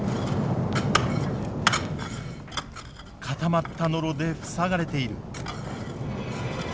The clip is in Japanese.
固まったノロで塞がれている。